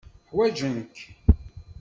Ḥwajen-k.